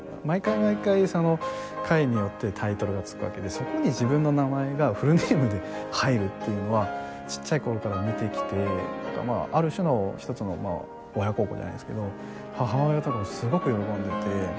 毎回毎回その回によってタイトルがつくわけでそこに自分の名前がフルネームで入るっていうのはちっちゃい頃から見てきてある種の一つの親孝行じゃないですけど母親とかもすごく喜んでて。